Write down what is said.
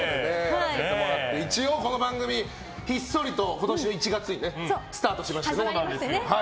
一応この番組、ひっそりと今年の１月にスタートしまして。